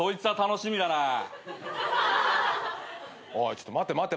ちょっと待て待て。